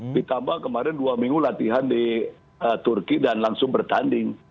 ditambah kemarin dua minggu latihan di turki dan langsung bertanding